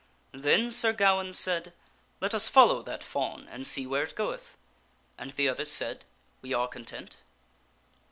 Then Sir Gawaine said, " Let us follow that fawn and see where it goeth." And the others said, " We are content."